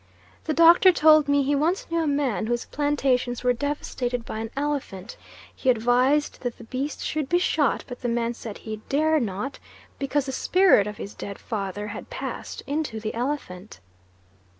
The Doctor told me he once knew a man whose plantations were devastated by an elephant. He advised that the beast should be shot, but the man said he dare not because the spirit of his dead father had passed into the elephant.